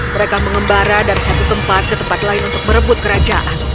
mereka mengembara dari satu tempat ke tempat lain untuk merebut kerajaan